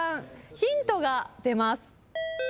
ヒントが出ます。